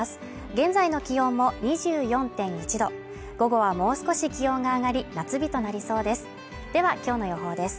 現在の気温も２４．１度午後はもう少し気温が上がり、夏日となりそうですでは今日の予報です。